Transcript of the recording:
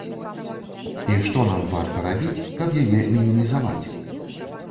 І што нам варта рабіць, каб яе мінімізаваць?